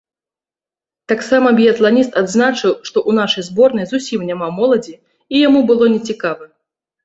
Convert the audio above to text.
Таксама біятланіст адзначыў, што ў нашай зборнай зусім няма моладзі і яму было нецікава.